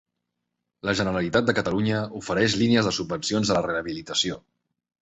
La Generalitat de Catalunya ofereix línies de subvencions a la rehabilitació.